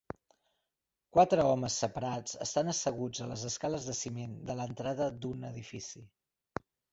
Quatre homes separats estan asseguts a les escales de ciment de l'entrada d'un edifici.